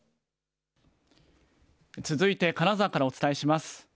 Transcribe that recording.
続いて金沢からお伝えします。